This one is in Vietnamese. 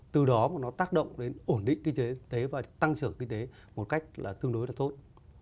từ đó mà nó tác động đến ổn định kinh tế và tăng trưởng kinh tế một cách là tương đối là tốt